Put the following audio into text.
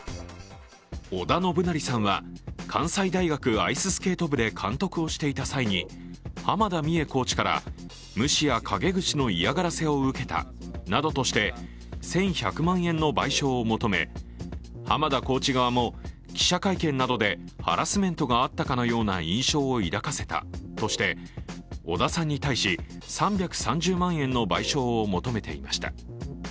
織田信成さんは関西大学アイススケート部で監督をしていた際に濱田美栄コーチから無視や陰口の嫌がらせを受けたなどとして１１００万円の賠償を求め濱田コーチ側も記者会見などでハラスメントがあったかのような印象を抱かせたとして織田さんに対し３３０万円の賠償を求めていました。